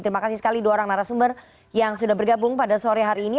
terima kasih sekali dua orang narasumber yang sudah bergabung pada sore hari ini